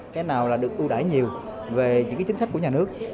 cái nào là được ưu đải nhiều về những cái chính sách của nhà nước